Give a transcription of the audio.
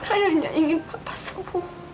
ayah hanya ingin papa sembuh